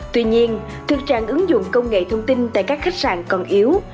tuy nhiên thực trạng ứng dụng công nghệ thông tin tại các khách sạn còn yếu